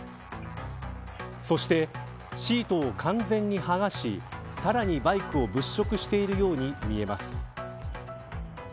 そして、シートを完全に剥がしさらにバイクを物色しているように見えます。